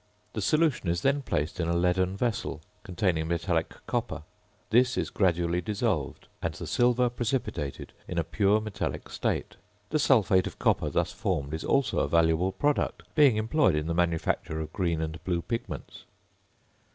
The solution is then placed in a leaden vessel containing metallic copper; this is gradually dissolved, and the silver precipitated in a pure metallic state. The sulphate of copper thus formed is also a valuable product, being employed in the manufacture of green and blue pigments.